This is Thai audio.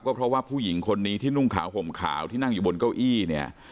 เพราะว่าผู้หญิงคนนี้ที่นุ่งขาวห่มขาวที่นั่งอยู่บนเก้าอี้เนี่ย